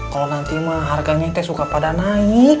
kalo nanti mah harganya teh suka pada naik